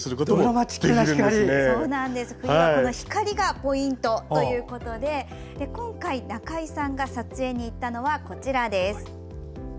冬はこの光がポイントということで今回、中井さんが撮影に行ったのはこちらです。